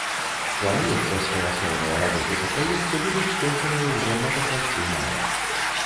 Плануецца, што асноўныя работы па праекце будуць скончаныя ўжо напрыканцы мая.